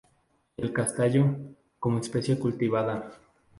Y el castaño, como especie cultivada.